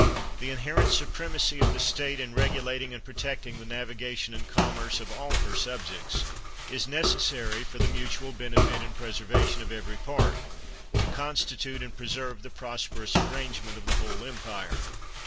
The inherent supremacy of the state in regulating and protecting the navigation and commerce of all her subjects, is necessary for the 220 CHATHAM mutual benefit and preservation of every part," to constitute and preserve the prosperous ar , rangement of the whole empire.